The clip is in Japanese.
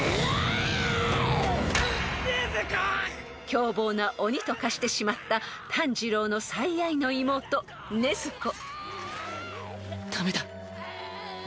［凶暴な鬼と化してしまった炭治郎の最愛の妹禰豆子］